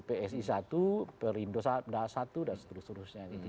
psi satu perindo satu dan seterus terusnya gitu